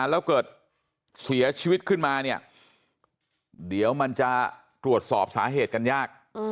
แล้วเกิดเสียชีวิตขึ้นมาเนี่ยเดี๋ยวมันจะตรวจสอบสาเหตุกันยาก